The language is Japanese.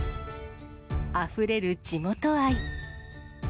あふれる地元愛。